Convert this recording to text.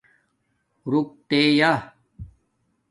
روک نے یا